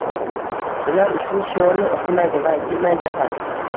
Ular ushbu shiorni o‘qimaydi va sezmaydilar ham.